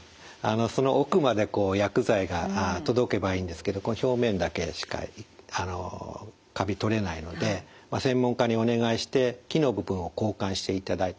その奥まで薬剤が届けばいいんですけど表面だけしかカビ取れないので専門家にお願いして木の部分を交換していただいた方がいいですね。